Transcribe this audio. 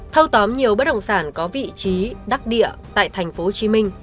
thâu tóm nhiều bất động sản có vị trí đắc địa tại tp hcm